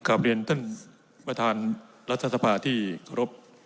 ขอบเรียนท่านวัทธานรัฐสภาที่โครบ